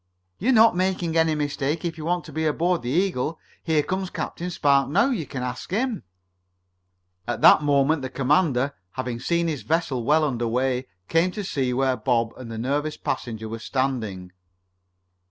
"You're not making any mistake if you want to be aboard the Eagle. Here comes Captain Spark now. You can ask him." At that moment the commander, having seen his vessel well under way, came to where Bob and the nervous passenger were standing.